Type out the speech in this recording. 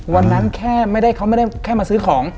วันนั้นเขาไม่ได้แค่มาซื้อของ